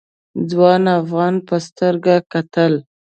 ځوان افغان په سترګه کتل.